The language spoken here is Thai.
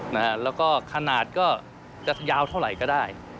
แล้วก็ขนาดก็จะยาวเท่าไหร่ก็ได้